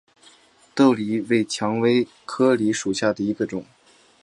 豆梨为蔷薇科梨属下的一个种。